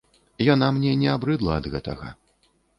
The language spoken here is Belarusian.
Яна мне не абрыдла ад гэтага.